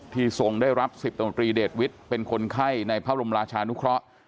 ทรงได้รับ๑๐ตำรวจตรีเดชวิทย์เป็นคนไข้ในพระบรมราชานุเคราะห์